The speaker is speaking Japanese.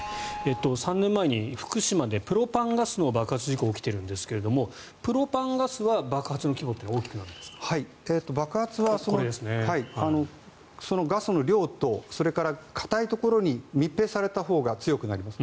３年前に福島でプロパンガスの爆発事故が起きているんですがプロパンガスは爆発の規模というのは爆発はそのガスの量とそれから硬いところに密閉されたほうが強くなります。